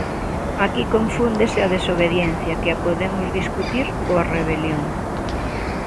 Aquí confúndese a desobediencia, que a podemos discutir, coa rebelión.